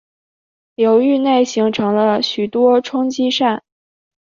流域内形成了许多冲积扇。